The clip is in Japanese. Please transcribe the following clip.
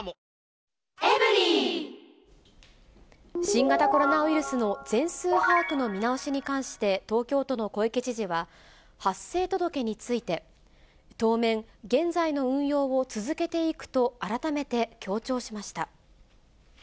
新型コロナウイルスの全数把握の見直しに関して、東京都の小池知事は、発生届について、当面、現在の運用を続けていくと、改めて強調しました。